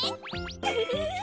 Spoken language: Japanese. ウフフフフ。